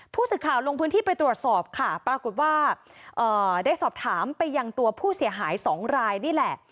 ผู้สื่อข่าวลงพื้นที่ไปตรวจสอบค่ะปรากฏว่าได้สอบถามไปยังตัวผู้เสียหายสองรายนี่แหละ